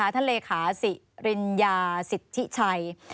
ท่านเลขาศิริญญาศิษธิชัย